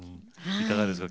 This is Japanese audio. いかがですか？